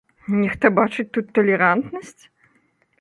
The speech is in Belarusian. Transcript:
Нехта бачыць тут талерантнасць?